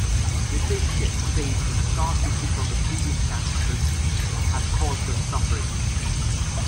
Nitschke said the scar tissue from previous cancer surgery had caused her suffering.